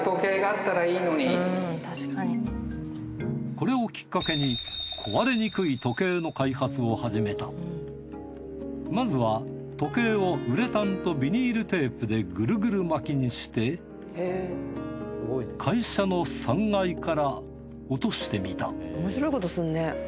これをきっかけにまずは時計をウレタンとビニールテープでグルグル巻きにして会社の３階から落としてみた